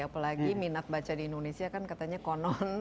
apalagi minat baca di indonesia kan katanya konon